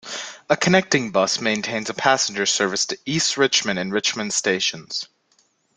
A connecting bus maintains a passenger service to East Richmond and Richmond stations.